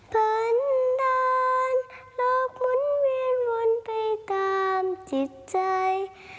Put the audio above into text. ฝันนานแล้วหมุนเวียนวนไปตามจิตใจ